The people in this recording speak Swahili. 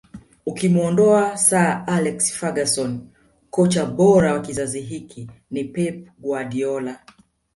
Ukimuondoa Sir Alex Ferguson kocha bora wa kizazi hiki ni Pep Guardiola